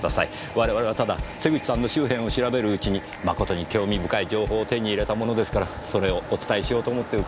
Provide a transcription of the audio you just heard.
我々はただ瀬口さんの周辺を調べるうちにまことに興味深い情報を手に入れたものですからそれをお伝えしようと思って伺っただけなんです。